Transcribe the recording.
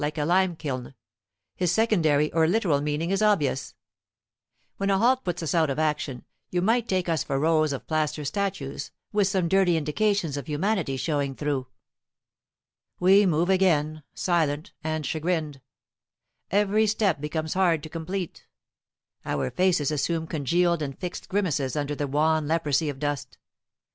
[note 1] When a halt puts us out of action, you might take us for rows of plaster statues, with some dirty indications of humanity showing through. We move again, silent and chagrined. Every step becomes hard to complete. Our faces assume congealed and fixed grimaces under the wan leprosy of dust.